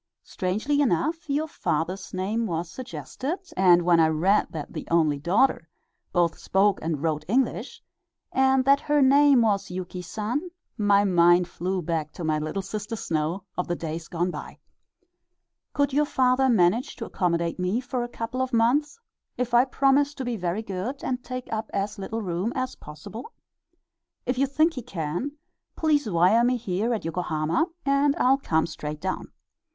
Strangely enough your father's name was suggested, and when I read that the only daughter both spoke and wrote English, and that her name was Yuki San, my mind flew back to my "Little Sister Snow" of the days gone by. Could your father manage to accommodate me for a couple of months, if I promise to be very good and take up as little room as possible? If you think he can, please wire me here at Yokohama, and I'll come straight down.